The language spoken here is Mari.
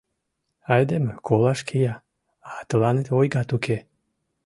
Айдеме колаш кия, а тыланет ойгат уке!